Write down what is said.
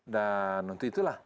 dan untuk itu